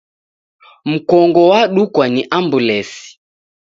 Mkongo wadukwa ni ambulesi